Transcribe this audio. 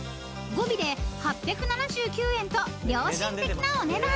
［５尾で８７９円と良心的なお値段］